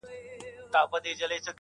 • سرکښي یې له ازله په نصیب د تندي سوله..